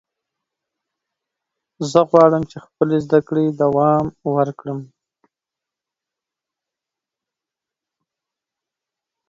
زه غواړم چې خپلې زده کړې دوام ورکړم.